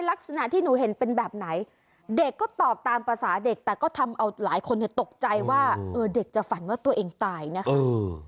ลักษณะที่หนูเห็นเป็นแบบไหนเด็กก็ตอบตามภาษาเด็กแต่ก็ทำเอาหลายคนตกใจว่าเออเด็กจะฝันว่าตัวเองตายนะคะ